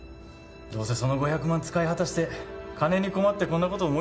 どうせその５００万使い果たして金に困ってこんなこと思いついたんでしょう。